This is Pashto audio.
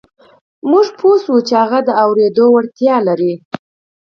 موږ پوه شوو چې هغه د اورېدو وړتیا لري